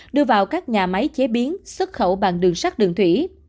đưa vào các nhà máy chế biến xuất khẩu bằng đường sắt đường thủy